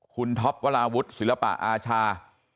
คุณท็อปวราวุฒิศิลปะอาชา